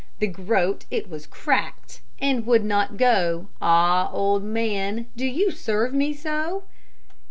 The groat it was crack'd And would not go, Ah, old man, do you serve me so?